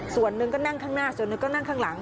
ส่วนหนึ่งก็นั่งข้างหน้าส่วนหนึ่งก็นั่งข้างหลัง